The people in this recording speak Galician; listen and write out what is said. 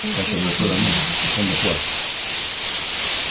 E sobre todo a min, que son de fóra.